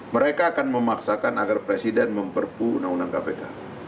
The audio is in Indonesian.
mereka akan memaksakan agar presiden memperpu undang undang kpk